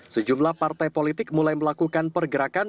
sejumlah partai politik mulai melakukan pergerakan